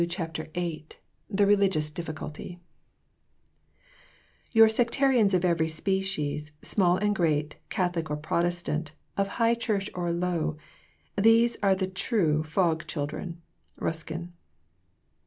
CHAPTER VIII THE RELIGIOUS DIFFICULTY Your sectarians of every species, small and great, Catholic or Protestant, of high church or low, ... these are the true fog children. RUSKIN.